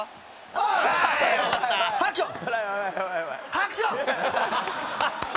ハクション！